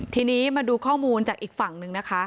ทีนี้มาดูข้อมูลจากอีกฝั่งหนึ่งนะคะ